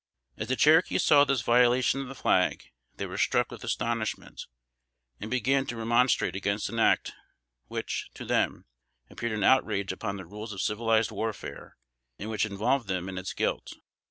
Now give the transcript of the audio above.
As the Cherokees saw this violation of the flag, they were struck with astonishment, and began to remonstrate against an act which, to them, appeared an outrage upon the rules of civilized warfare, and which involved them in its guilt.